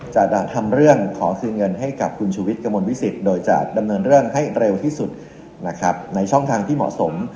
จะทำเรื่องขอคืนเงินให้กับคุณชูวิทย์กระมวลวิสิตโดยจะดำเนินเรื่องให้เร็วที่สุดนะครับในช่องทางที่เหมาะสม